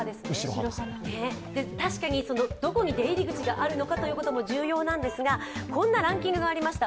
確かにどこに出入り口があるのかということも重要なんですがこんなランキングがありました。